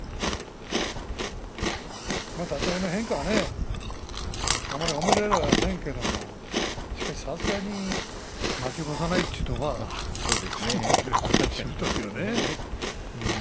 立ち合いの変化はあまり褒められはしませんけどしかし、さすがに負け越さないというところはしぶといよね。